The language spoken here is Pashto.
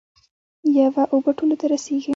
یوه اوبه ټولو ته رسیږي.